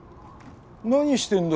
何してんだ？